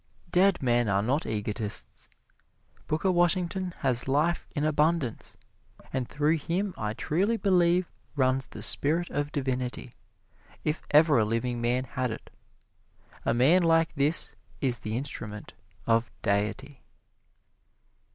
Dead men are not egotists. Booker Washington has life in abundance, and through him I truly believe runs the spirit of Divinity, if ever a living man had it. A man like this is the instrument of Deity.